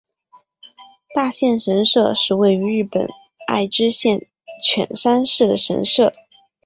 大县神社是位在日本爱知县犬山市的神社。